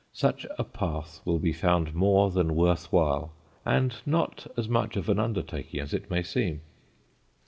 Such a path will be found more than worth while, and not as much of an undertaking as it may seem.